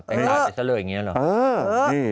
แบบสัตเราะเงี้ยเหรอ